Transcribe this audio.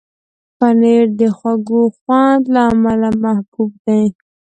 پنېر د خوږ خوند له امله محبوب دی.